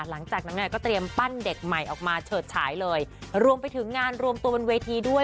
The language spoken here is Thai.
หลังจากนั้นเนี่ยก็เตรียมปั้นเด็กใหม่ออกมาเฉิดฉายเลยรวมไปถึงงานรวมตัวบนเวทีด้วย